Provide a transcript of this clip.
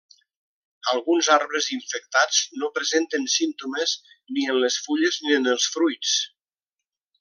Alguns arbres infectats no presenten símptomes ni en les fulles ni en els fruits.